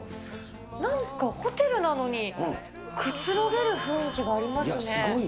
なんか、ホテルなのにくつろげる雰囲気がありますね。